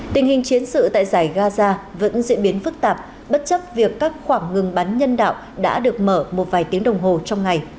tình hình chiến sự tại giải gaza vẫn diễn biến phức tạp bất chấp việc các khoảng ngừng bắn nhân đạo đã được mở một vài tiếng đồng hồ trong ngày